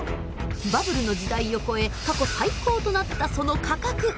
バブルの時代を超え過去最高となったその価格。